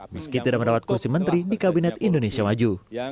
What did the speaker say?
meski tidak mendapat kursi menteri di kabinet indonesia maju